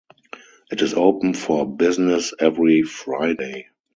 It is open for business every Friday.